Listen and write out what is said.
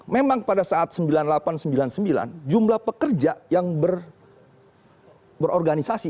memang pada saat seribu sembilan ratus sembilan puluh delapan seribu sembilan ratus sembilan puluh sembilan jumlah pekerja yang berorganisasi